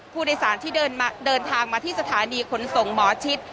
ผู้โดยสารที่เดินทางมาที่สถานีขนส่งหมอชิด